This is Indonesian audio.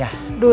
aduh saya bangun